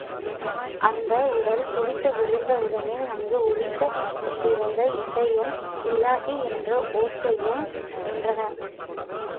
அந்த உடல் துடித்து விழுந்த உடனே அங்கு ஒலித்துக் கொண்டிருந்த இசையும் இல்லாஹி என்ற ஓசையும் நின்றன.